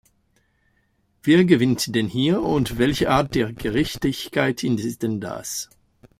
Wer gewinnt denn hier und welche Art der Gerechtigkeit ist denn das?